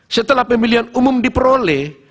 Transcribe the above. setelah pemilihan umum diperoleh